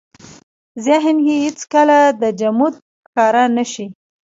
ذهن يې هېڅ کله د جمود ښکار نه شي.